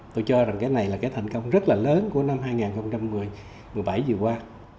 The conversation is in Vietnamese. tôi cho rằng cái này là cái thành công rất là lớn của năm hai nghìn một mươi bảy vừa qua